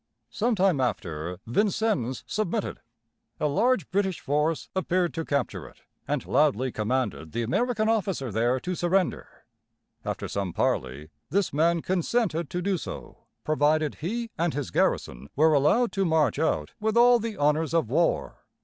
Some time after Vin cennes´ submitted, a large British force appeared to capture it, and loudly commanded the American officer there to surrender. After some parley, this man consented to do so, provided he and his garrison were allowed to march out with all the honors of war.